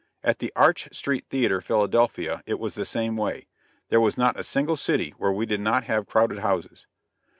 At the Arch Street Theater, Philadelphia, it was the same way. There was not a single city where we did not have crowded houses.